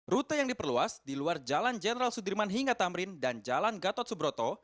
rute yang diperluas di luar jalan jenderal sudirman hingga tamrin dan jalan gatot subroto